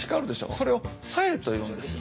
それを冴えというんですよ。